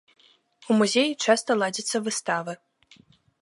У музеі часта ладзяцца выставы.